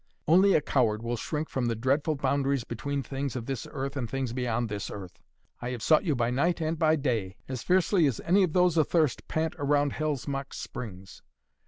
"Only a coward will shrink from the dreadful boundaries between things of this earth and things beyond this earth. I have sought you by night and by day as fiercely as any of those athirst pant round hell's mock springs!